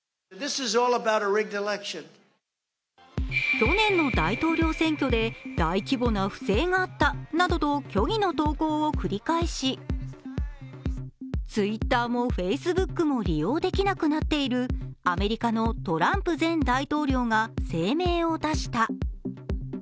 去年の大統領選挙で大規模な不正があったなどと虚偽の投稿を繰り返しＴｗｉｔｔｅｒもＦａｃｅｂｏｏｋも利用できなくなっているアメリカのトランプ前大統領が声明を出した。